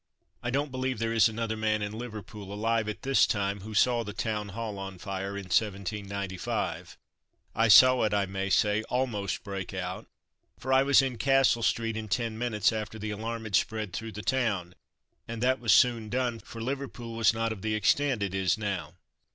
I don't believe there is another man in Liverpool alive at this time who saw the Town Hall on fire in 1795. I saw it, I may say, almost break out, for I was in Castle street in ten minutes after the alarm had spread through the town, and that was soon done, for Liverpool was not of the extent it is now.